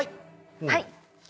はい！